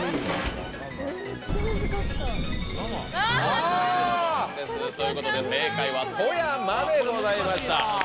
あ！ということで正解は富山でございました。